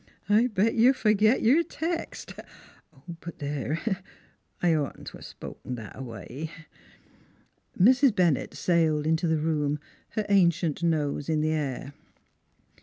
I'll bet you'll forget your text. ... But there ! I ought n't to 'a' spoke that away." Mrs. Bennett sailed into the room, her ancient nose in the air.